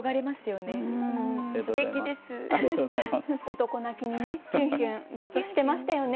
男泣きにねきゅんきゅんずっとしてましたよね。